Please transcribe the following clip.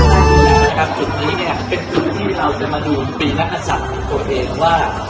จุดนี้เนี่ยเป็นที่เราจะมาดูปีนัทรสัตว์ตัวเองว่า